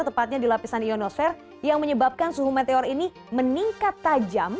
tepatnya di lapisan ionover yang menyebabkan suhu meteor ini meningkat tajam